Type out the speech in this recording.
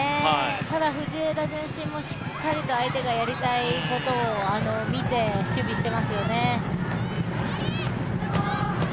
ただ藤枝順心もしっかりと相手がやりたいことを見て守備してますよね。